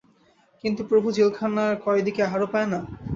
কিন্তু প্রভু, জেলখানার কয়েদি কি আহারও পায় না।